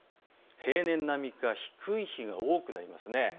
平年並みか低い日が多くなりますね。